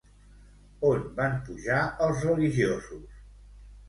On van pujar els religiosos?